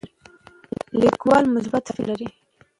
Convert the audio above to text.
لیکوال مثبت فکر لري.